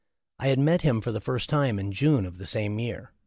I had met him for the first time in June of the same year.